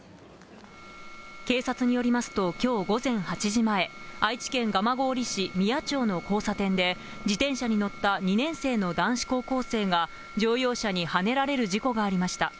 警察によりますと、きょう午前８時前、愛知県蒲郡市三谷町の交差点で、自転車に乗った２年生の男子高校生が乗用車にはねられる事故がありました。